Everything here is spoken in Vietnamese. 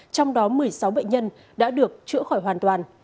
trong đó một mươi sáu bệnh nhân đã được chữa khỏi hoàn toàn